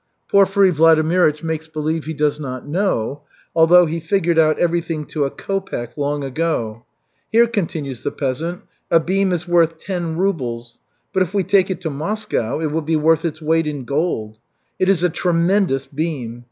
Porfiry Vladimirych makes believe he does not know, although he figured out everything to a kopek long ago. "Here," continues the peasant, "a beam is worth ten rubles, but if we take it to Moscow it will be worth its weight in gold. It is a tremendous beam.